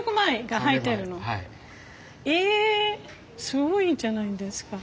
すごいじゃないですか。